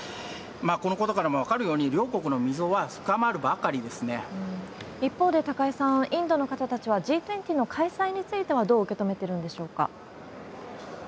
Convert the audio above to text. このことからも分かるように、一方で高井さん、インドの方たちは、Ｇ２０の開催についてはどう受け止めているんでしょうか。